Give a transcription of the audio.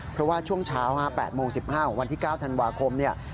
เพราะว่าช่วงเช้า๘๑๕วันที่๙ธันวาคม